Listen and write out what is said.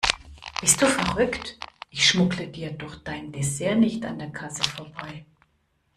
Bist du verrückt, ich schmuggle dir doch dein Dessert nicht an der Kasse vorbei.